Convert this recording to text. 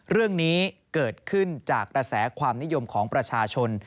เรื่องนี้เกิดขึ้นจากกระแสความนิยมของประชาชน